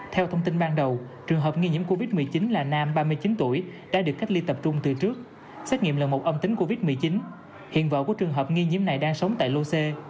theo thông tin ban đầu trường hợp nghi nhiễm covid một mươi chín là nam ba mươi chín tuổi đã được cách ly tập trung từ trước xét nghiệm lần một âm tính covid một mươi chín hiện vợ của trường hợp nghi nhiễm này đang sống tại lô c